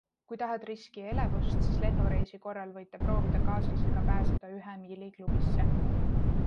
Kui tahad riski ja elevust, siis lennureisi korral võite proovida kaaslasega pääseda ühe miili klubisse.